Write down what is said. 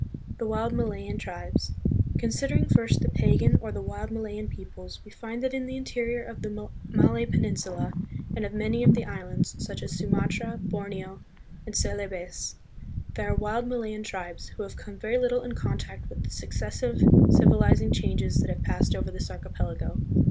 The Wild Malayan Tribes. Considering first the pagan or the wild Malayan peoples, we find that in the interior of the Malay Peninsula and of many of the islands, such as Sumatra, Borneo and Celebes, there are wild Malayan tribes, who have come very little in contact with the successive civilizing changes that have passed over this archipelago.